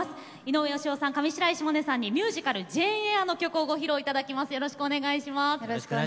上白石萌音さんにミュージカル「ジェーン・エア」の曲をご披露いただきます。